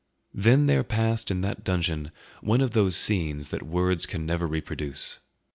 Then there passed in that dungeon one of those scenes that words can never reproduce.